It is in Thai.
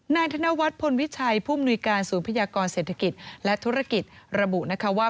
นายธนวัฒน์พลวิชัยผู้มนุยการศูนย์พยากรเศรษฐกิจและธุรกิจระบุนะคะว่า